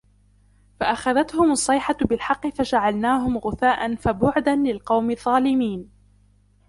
فَأَخَذَتْهُمُ الصَّيْحَةُ بِالْحَقِّ فَجَعَلْنَاهُمْ غُثَاءً فَبُعْدًا لِلْقَوْمِ الظَّالِمِينَ